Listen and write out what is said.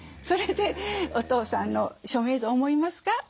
それで「お父さんの署名と思いますか？